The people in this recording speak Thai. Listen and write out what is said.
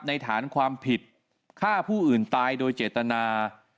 ฐานความผิดฆ่าผู้อื่นตายโดยเจตนา